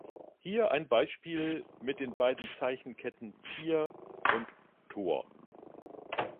Hier ein Beispiel mit den beiden Zeichenketten „Tier“ und „Tor“.